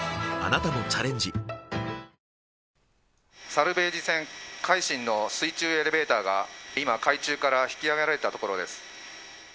サルベージ船、海進の水中エレベーターが今、海中から引き揚げられたところです。